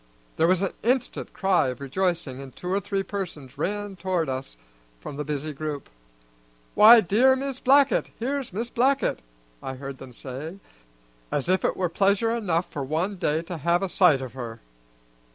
There was an instant cry of rejoicing, and two or three persons ran toward us from the busy group. "Why, dear Mis' Blackett! here's Mis' Blackett!" I heard them say, as if it were pleasure enough for one day to have a sight of her.